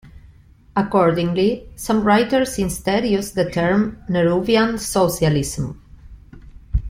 Accordingly, some writers instead use the term "Nehruvian socialism".